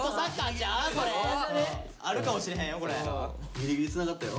ギリギリつながったよ。